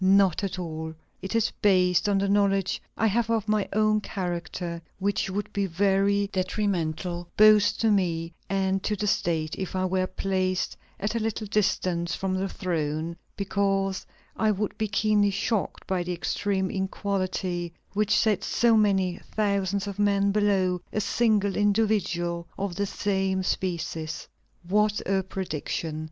Not at all. It is based on the knowledge I have of my own character, which would be very detrimental both to me and to the State if I were placed at a little distance from the throne; because I would be keenly shocked by the extreme inequality which sets so many thousands of men below a single individual of the same species!" What a prediction!